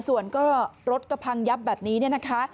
ส่วนก็รถก็พังยับแบบนี้เนี่ยนะคะ